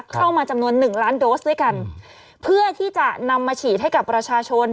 เข้ามาจำนวนหนึ่งล้านโดสด้วยกันเพื่อที่จะนำมาฉีดให้กับประชาชน